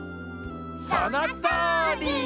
そのとおり！